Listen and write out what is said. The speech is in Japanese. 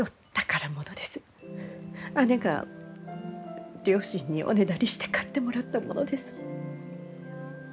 姉が両親におねだりして買ってもらったものです。